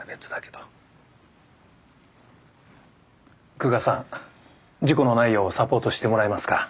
久我さん事故のないようサポートしてもらえますか？